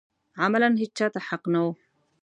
عملاً هېچا ته حق نه و